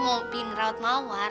kalau kamu mau bikin perawatan mawar